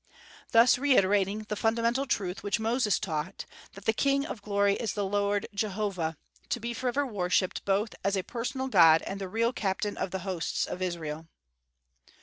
thus reiterating the fundamental truth which Moses taught, that the King of Glory is the Lord Jehovah, to be forever worshipped both as a personal God and the real Captain of the hosts of Israel.